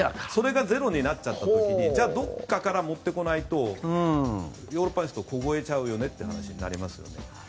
それがゼロになっちゃった時にじゃあどこかから持ってこないとヨーロッパの人は凍えちゃうよねって話になりますよね。